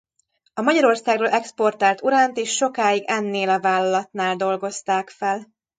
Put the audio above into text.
A Magyarországról exportált uránt is sokáig ennél a vállalatnál dolgozták fel.